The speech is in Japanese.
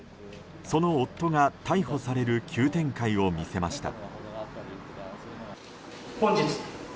その夫が逮捕される急展開を見せました。